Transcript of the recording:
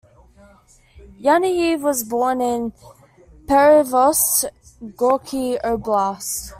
Yanayev was born in Perevoz, Gorky Oblast.